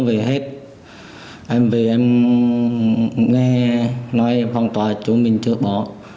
em về hết em về em nghe nói phong tỏa chúng mình chưa bỏ